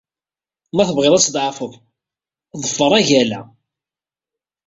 Ma tebɣiḍ ad tḍeɛfeḍ, ḍfer agal-a.